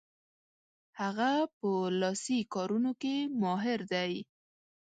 هغه په لاسي کارونو کې ماهر دی.